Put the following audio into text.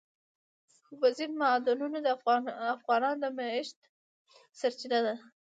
اوبزین معدنونه د افغانانو د معیشت سرچینه ده.